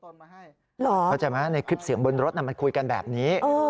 เข้าใจไหมในคลิปเสียงบนรถมันคุยกันแบบนี้